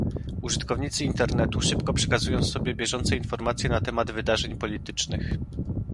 Użytkownicy Internetu szybko przekazują sobie bieżące informacje na temat wydarzeń politycznych